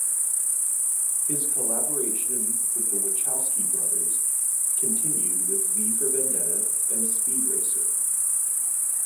His collaboration with the Wachowski brothers continued with "V for Vendetta" and "Speed Racer".